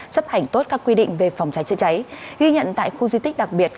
chấp hành tốt các quy định về phòng cháy chữa cháy ghi nhận tại khu di tích đặc biệt